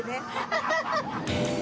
ハハハッ！